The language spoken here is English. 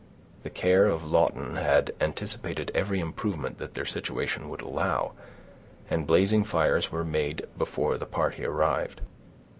The care of Lawton had anticipated every improvement that their situation would allow, and blazing fires were made before the party arrived.